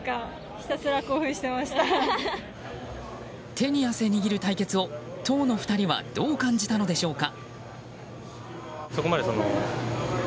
手に汗握る対決を当の２人はどう感じたのでしょうか。